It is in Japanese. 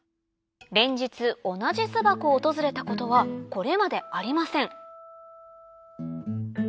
連日同じ巣箱を訪れたことはこれまでありません